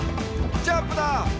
ジャンプだ！」